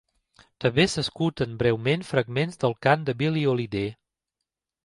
També s'escolten breument fragments del cant de Billie Holiday.